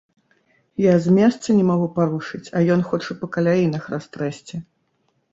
Я з месца не магу парушыць, а ён хоча па каляінах растрэсці.